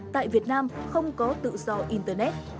tại việt nam không có tự do internet